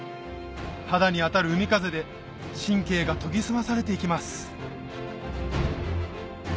肌に当たる海風で神経が研ぎ澄まされて行きます